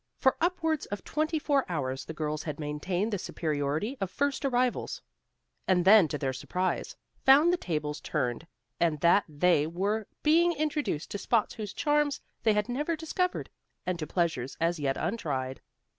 For upwards of twenty four hours the girls had maintained the superiority of first arrivals, and then to their surprise, found the tables turned and that they were being introduced to spots whose charms they had never discovered, and to pleasures as yet untried.